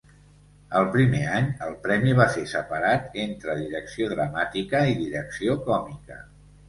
El primer any, el premi va ser separat entre Direcció Dramàtica i Direcció Còmica.